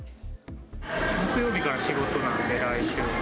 木曜日から仕事なんで、来週の。